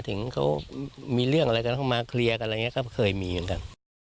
ถึงเขามีเรื่องอะไรกันเข้ามาเคลียร์กันอะไรอย่างนี้ก็เคยมีเหมือนกัน